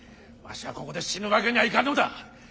わしはここで死ぬわけにはいかんのだ。